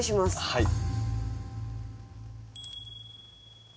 はい。